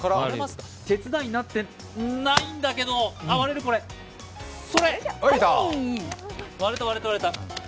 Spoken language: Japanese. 手伝いになってないんだけど割れた、割れた、割れた。